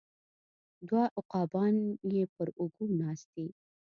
دوه عقابان یې پر اوږو ناست دي